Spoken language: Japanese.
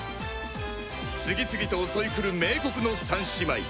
次々と襲いくる冥黒の三姉妹